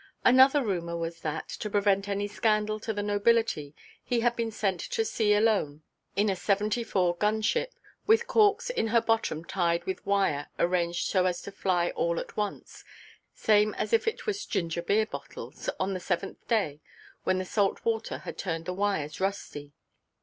Another rumour was that, to prevent any scandal to the nobility, he had been sent to sea alone in a seventy–four gun ship, with corks in her bottom tied with wire arranged so as to fly all at once, same as if it was ginger–beer bottles, on the seventh day, when the salt–water had turned the wires rusty.